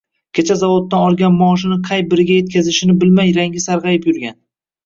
Kecha zavoddan olgan maoshini qay biriga yetkazishini bilmay rangi sarg’ayib yurgan